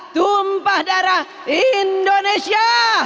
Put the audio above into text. tumpah darah indonesia